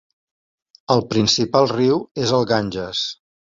El principal riu és el Ganges.